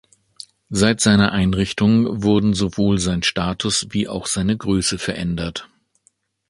Seit seiner Einrichtung wurden sowohl sein Status wie auch seine Größe verändert.